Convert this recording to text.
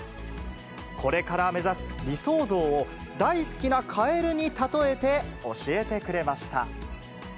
これから目指す理想像を、大好きなカエルに例えて教えてくれました。